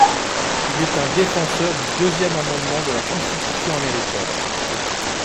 Il est un défenseur du deuxième amendement de la Constitution américaine.